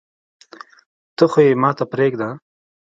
ته خو يي ماته پریږده